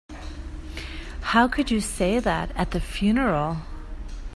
How could you say that at the funeral?